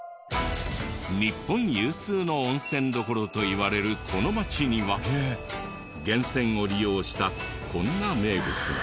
日本有数の温泉どころといわれるこの町には源泉を利用したこんな名物も。